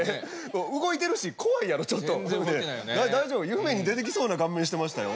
夢に出てきそうな顔面してましたよ。